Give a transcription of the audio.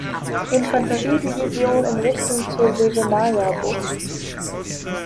Infanterie-Division in Richtung zur Sewernaja-Bucht.